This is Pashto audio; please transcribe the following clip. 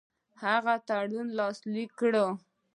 هغه تړون لاسلیک کړ.